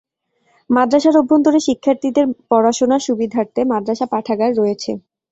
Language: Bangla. মাদ্রাসার অভ্যন্তরে শিক্ষার্থীদের পড়াশোনার সুবিধার্থে মাদ্রাসা পাঠাগার রয়েছে।